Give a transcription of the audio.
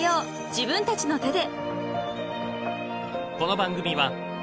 自分たちの手で］